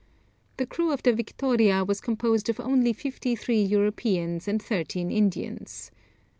The crew of the Victoria was composed of only fifty three Europeans and thirteen Indians.